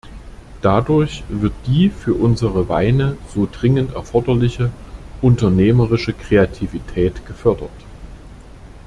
Dadurch wird die für unsere Weine so dringend erforderliche unternehmerische Kreativität gefördert.